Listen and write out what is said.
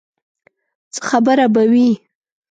څه خبره به وي.